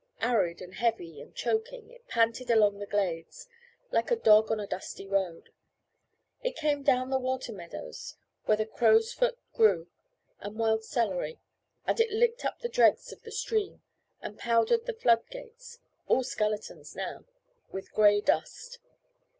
Arid and heavy, and choking, it panted along the glades, like a dog on a dusty road. It came down the water meadows, where the crowsfoot grew, and wild celery, and it licked up the dregs of the stream, and powdered the flood gates, all skeletons now, with grey dust.